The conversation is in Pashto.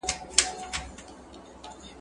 چي ستا اواز یې د تیارو په زولنو تړلی